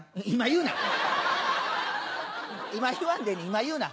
今言うな。